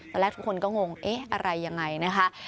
ตอนแรกทุกคนก็งงอะไรอย่างไรนะคะ